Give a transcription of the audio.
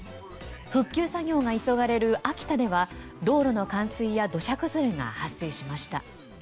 復旧作業が急がれる秋田では道路の冠水や土砂崩れが発生しました。